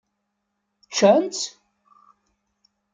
Ččant-tt?